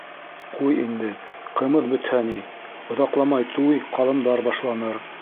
— Ҡуй инде, ҡымыҙ бөтһә ни, оҙаҡламай туй, ҡалымдар башланыр.